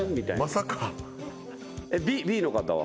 Ｂの方は？